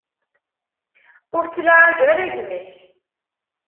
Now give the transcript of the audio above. Ur ttlaɛaj ara gma-k.